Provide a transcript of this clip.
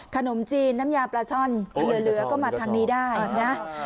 ขนมจีนน้ำยาปลาช่อนเหลือก็มาทางนี้ได้นะ